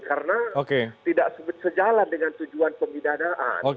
karena tidak sejalan dengan tujuan pembedaan